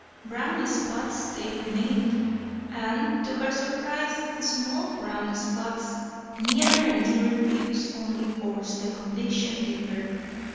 Brown spots they remained, and, to her surprise, small brown spots. Nearer and nearer views only forced the conviction deeper.